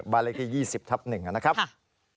บ้านเลขที่๒๐ทับ๑นะครับค่ะไม่บอกไม่ได้